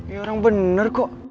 ya orang bener kok